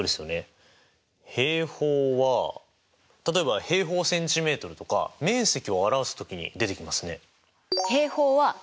平方は例えば平方センチメートルとか面積を表す時に出てきますね。